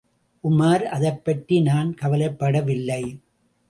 உமார், அதைப்பற்றி நான் கவலைப்படவில்லை.